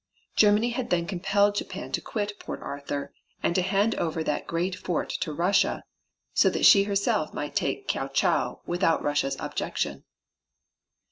Germany had then compelled Japan to quit Port Arthur, and to hand over that great fort to Russia so that she herself might take Kiao chau without Russia's objection.